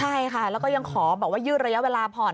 ใช่ค่ะแล้วก็ยังขอบอกว่ายืดระยะเวลาผ่อน